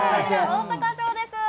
大阪城です！